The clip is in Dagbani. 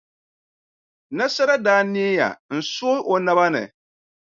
Nasara daa neeya n-sooi o naba ni.